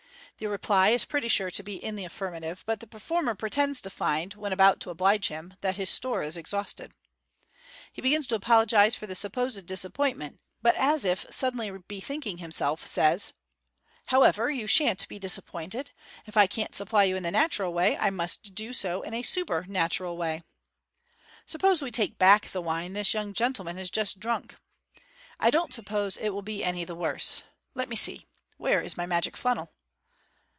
The reply is pretty sure to be in the affirmative, but the performer pretends to find, when about to oblige him, that his store is exhausted. He begins to apologize for the supposed disappointment, but as if sud denly bethinking himself, says, " However, you shan't be disappointed. If I can't supply you in the natural way, I must do so in a super natural way. Suppose we take back the wine this young gentleman has just drunk. I don't suppose it will be any the worse. Let me see, where is my magic funnel.